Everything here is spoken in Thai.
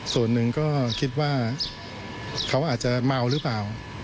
ส่วนหนึ่งก็คิดว่าเขาอาจจะเมาหรือเปล่า